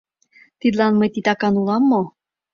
Тидлан мый титакан улам мо?